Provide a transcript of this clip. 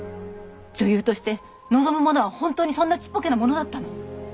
女優として望むものは本当にそんなちっぽけなものだったの？